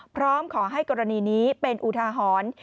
พร้อมขอให้กรณีนี้เป็นอุทาหรณ์